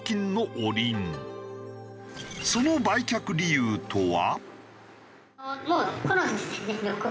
その売却理由とは？